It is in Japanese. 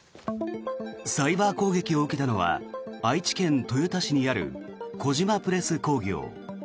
サイバー攻撃を受けたのは愛知県豊田市にある小島プレス工業。